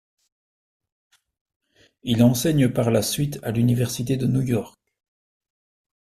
Il enseigne par la suite à l’université de New York.